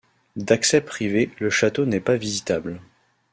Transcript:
D'accès privé, le château n'est pas visitable.